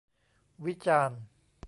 วิจารณ์